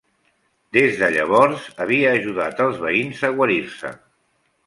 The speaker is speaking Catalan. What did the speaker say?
Des de llavors havia ajudat els veïns a guarir-se.